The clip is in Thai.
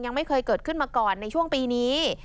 ยังไม่เคยเกิดขึ้นมาก่อนในช่วงปีนี้